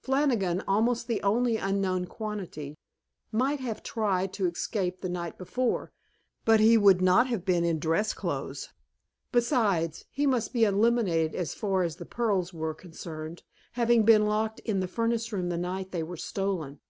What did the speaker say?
Flannigan, almost the only unknown quantity, might have tried to escape the night before, but he would not have been in dress clothes. Besides, he must be eliminated as far as the pearls were concerned, having been locked in the furnace room the night they were stolen.